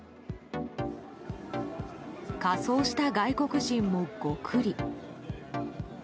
仮装した外国人もゴクリ。